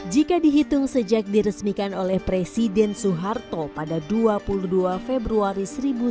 jika dihitung sejak diresmikan oleh presiden soeharto pada dua puluh dua februari seribu sembilan ratus empat puluh